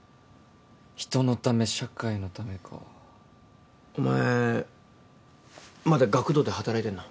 人のため社会のためかお前まだ学童で働いてんの？